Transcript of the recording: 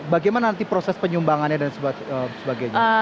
bagaimana nanti proses penyumbangannya dan sebagainya